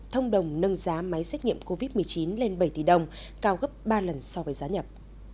thông đồng nâng giá máy xét nghiệm covid một mươi chín lên bảy tỷ đồng cao gấp ba lần so với giá nhập